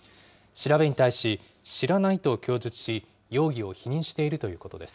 調べに対し、知らないと供述し、容疑を否認しているということです。